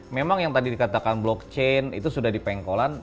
memang yang tadi dikatakan blockchain itu sudah di pengkolan